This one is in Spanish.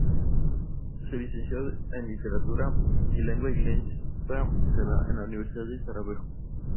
Se licenció en literatura y lengua inglesa en la Universidad de Sarajevo.